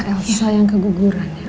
elsa yang keguguran ya